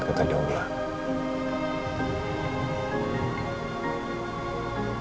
tidak ada yang bisa diberikan